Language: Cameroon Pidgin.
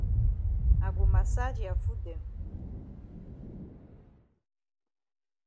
I go massage ya foot dem.